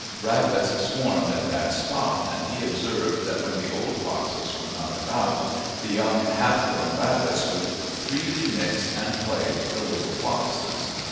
Rabbits swarmed at that spot, and he observed that when the old foxes were not about the young, half grown rabbits would freely mix and play with the little foxes.